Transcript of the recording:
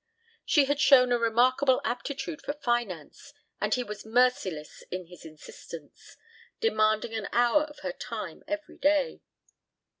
She had shown a remarkable aptitude for finance and he was merciless in his insistence, demanding an hour of her time every day.